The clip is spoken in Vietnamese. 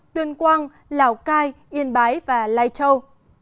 tuyên quang lào cai yên bái và lai châu